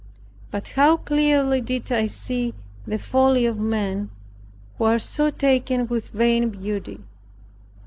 But how clearly did I see the folly of men who are so taken with vain beauty!